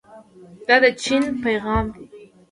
دا د چین پیغام دی.